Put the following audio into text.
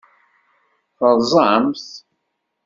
Terẓam-t?